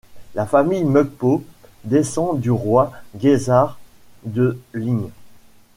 La famille Mukpo descend du roi Guésar de Ling.